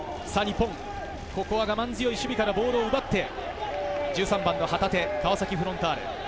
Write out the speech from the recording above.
我慢強い守備からボールを奪って、１３番は旗手、川崎フロンターレです。